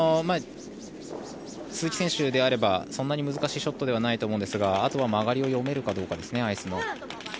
鈴木選手であればそんなに難しいショットではないと思いますがあとは曲がりを読めるかどうかですねアイスの。